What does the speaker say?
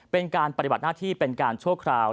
เป็นการปฏิบัติหน้าที่เป็นการชั่วคราว